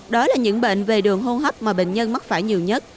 đó là những bệnh về đường hôn hấp mà bệnh nhân mất phải nhiều nhất